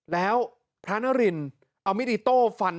แล้วพระนรินเอามิตโตฟันที่สีจากของพระลูกวัดอีกรูปนึงก็คือพระคมรัตร